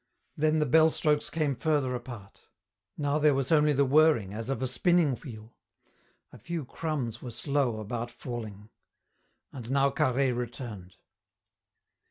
Then the bell strokes came further apart. Now there was only the whirring as of a spinning wheel; a few crumbs were slow about falling. And now Carhaix returned.